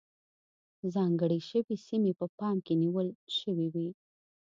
ځانګړې شوې سیمې په پام کې نیول شوې وې.